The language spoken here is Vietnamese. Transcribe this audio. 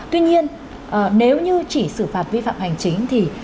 tuy nhiên nếu như chỉ xử phạt vi phạm hành chính thì